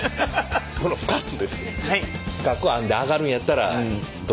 この２つです。